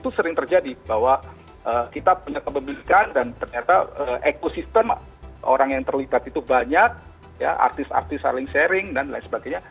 itu sering terjadi bahwa kita punya kepemilikan dan ternyata ekosistem orang yang terlibat itu banyak ya artis artis saling sharing dan lain sebagainya